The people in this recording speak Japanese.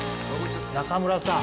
仲村さん